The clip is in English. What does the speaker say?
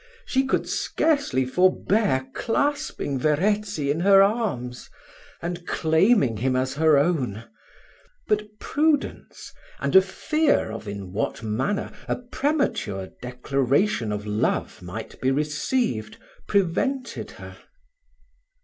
She could scarcely forbear clasping Verezzi in her arms, and claiming him as her own; but prudence, and a fear of in what manner a premature declaration of love might be received, prevented her.